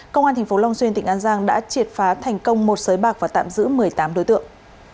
công an tp long xuyên tỉnh an giang đã triệt phá thành công một sới bạc và tạm giữ một mươi tám đối tượng